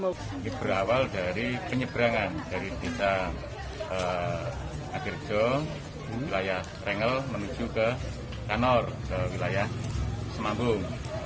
ini berawal dari penyeberangan dari kita agirjo wilayah rengel menuju ke tanor wilayah semambung